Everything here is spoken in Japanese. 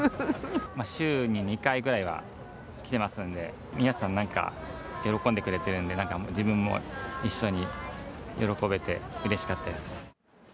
週に２回ぐらいは来てますんで、皆さん、なんか喜んでくれてるんで、なんか自分も一緒に喜べて、うれしかったです。